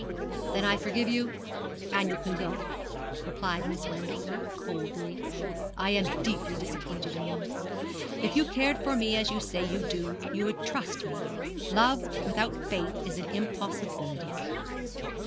'Then I forgive you, and you can go,' replied Miss Wendover, coldly. 'I am deeply disappointed in you. If you cared for me as you say you do, you would trust me. Love without faith is an impossibility.